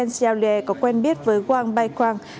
qua quan hệ xã hội chen xiaolie có quen biết với wang baikwang